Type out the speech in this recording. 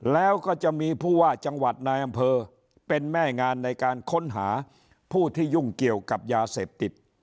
แล้วก็จะมีผู้ว่าจังหวัดนายอำเภอเป็นแม่งานในการค้นหาผู้ที่ยุ่งเกี่ยวกับยาเสพติด